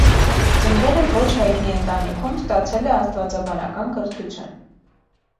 Ծնվել է ոչ հայտնի ընտանիքում, ստացել է աստվածաբանական կրթություն։